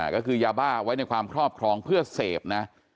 ก็คือยาบ้าไว้ในความครอบครองเพื่อเสพนะ